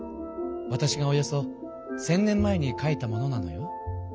わたしがおよそ１，０００年前に書いたものなのよ。